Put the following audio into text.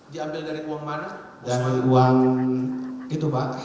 diambil dari uang mana